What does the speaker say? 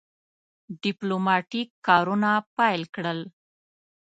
ډیپلوماټیک کارونه پیل کړل.